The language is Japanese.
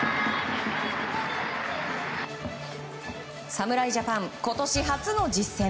侍ジャパン今年初の実戦。